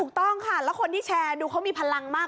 ถูกต้องค่ะแล้วคนที่แชร์ดูเขามีพลังมาก